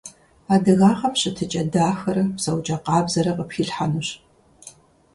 Адыгагъэм щытыкIэ дахэрэ псэукIэ къабзэрэ къыпхилъхьэнущ.